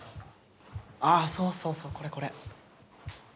あそうそうそうこれこれ。